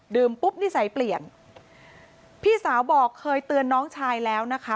ปุ๊บนิสัยเปลี่ยนพี่สาวบอกเคยเตือนน้องชายแล้วนะคะ